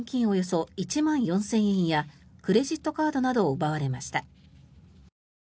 およそ１万４０００円やクレジットカードなどを奪われました。